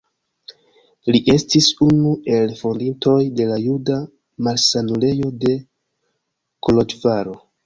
Li estis unu el fondintoj de la Juda Malsanulejo de Koloĵvaro.